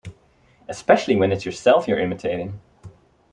Especially when it's yourself you're imitating.